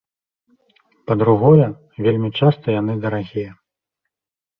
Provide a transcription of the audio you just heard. Па-другое, вельмі часта яны дарагія.